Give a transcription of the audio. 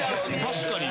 確かに。